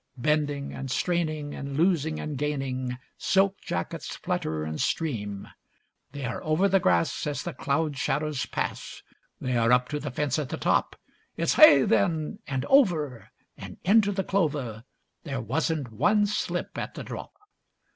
Bending and straining, and losing and gaining, Silk jackets flutter and stream; They are over the grass as the cloud shadows pass, They are up to the fence at the top; It's 'hey then!' and over, and into the clover, There wasn't one slip at the drop.